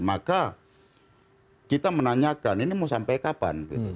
maka kita menanyakan ini mau sampai kapan